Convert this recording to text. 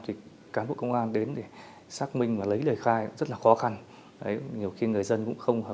thì cán bộ công an đến để xác minh